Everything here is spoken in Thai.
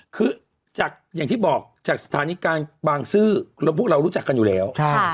คือจากอย่างที่บอกจากสถานีกลางบางซื่อแล้วพวกเรารู้จักกันอยู่แล้ว